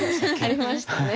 ありましたね。